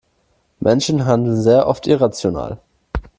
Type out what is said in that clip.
Menschen handeln sehr oft irrational.